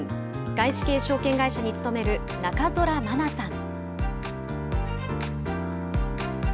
外資系証券会社に勤める中空麻奈さん。